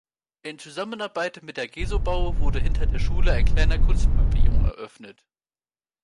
In Zusammenarbeit mit der Gesobau wurde hinter der Schule ein kleiner Kunstpavillon eröffnet.